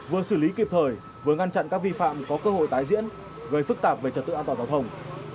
vừa xử lý kịp thời vừa ngăn chặn các vi phạm có cơ hội tái diễn gây phức tạp về trật tự an toàn giao thông